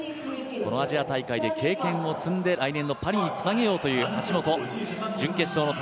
このアジア大会で経験を積んで来年のパリにつなげようという橋本。